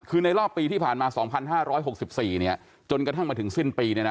คือในรอบปีที่ผ่านมา๒๕๖๔จนกระทั่งมาถึงสิ้นปี